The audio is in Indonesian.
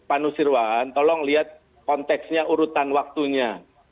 pak nusirwan tolong lihat konteksnya urutan waktunya